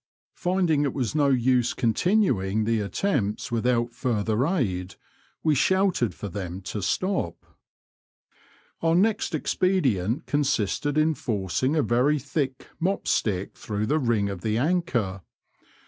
Finding it was no use continuing the attempts without further aid, we shouted for them to stop. Our next expedient consisted in forcing a very thick mop stick through the ring of the anchor.